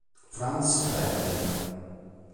Frantz Bertin